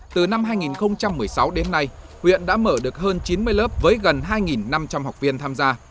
từ năm hai nghìn một mươi sáu đến nay huyện đã mở được hơn chín mươi lớp với gần hai năm trăm linh học viên tham gia